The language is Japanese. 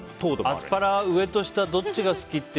アスパラ上と下どっちが好き？って